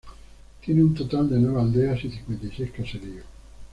Tiene un total de nueve aldeas y cincuenta y seis caseríos.